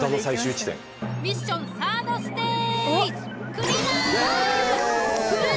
ミッションサードステージやった！